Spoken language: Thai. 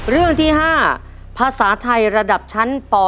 เรื่องที่๑ค่ะ